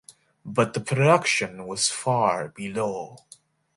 But the production was far below.